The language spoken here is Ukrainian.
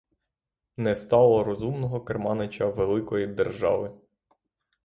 Не стало розумного керманича великої держави.